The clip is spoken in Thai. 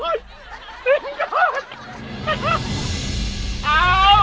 โดยกล่อง